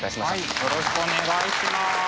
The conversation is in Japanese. よろしくお願いします。